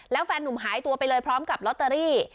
แล้วแฟนนุ่มหายตัวไปเลยพร้อมกับลอตเตอรี่